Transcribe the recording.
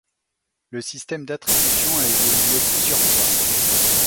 Le système d'attribution a évolué plusieurs fois.